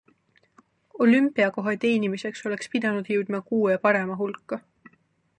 Olümpiakoha teenimiseks oleks pidanud jõudma kuue parema hulka.